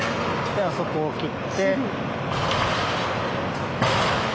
であそこを切って。